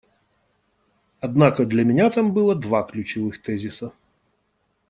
Однако для меня там было два ключевых тезиса.